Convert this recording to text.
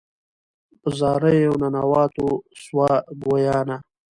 په زاریو ننواتو سوه ګویانه